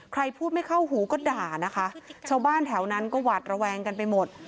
ใครพูดไม่เข้าหูก็ด่านะคะชาวบ้านแถวนั้นก็หวาดระแวงกันไปหมด